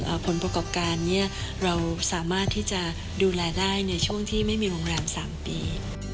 ผลประกอบการเนี้ยเราสามารถที่จะดูแลได้ในช่วงที่ไม่มีโรงแรมสามปี